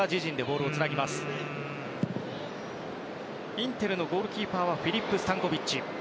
インテルのゴールキーパーはフィリップ・スタンコビッチ。